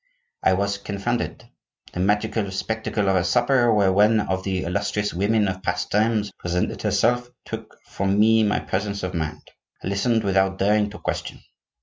I was confounded. The magical spectacle of a supper, where one of the illustrious women of past times presented herself, took from me my presence of mind. I listened without daring to question.